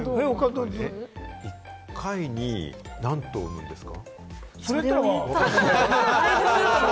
１回に何頭産むんですか？